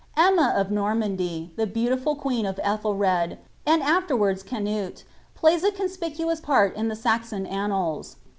Emma of Normandy, the beautiful queen of Ethel red, and after V'VBrds or Canute, piaya a conspicuous part in the Saxon Annals.